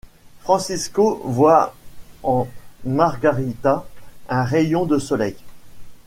Francisco voit en Margarita un rayon de soleil.